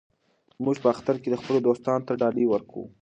موږ په اختر کې خپلو دوستانو ته ډالۍ ورکوو.